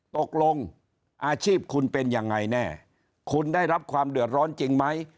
ตกลงอาชีพคุณเป็นยังไงแน่คุณได้รับความเดือดร้อนจริงไหม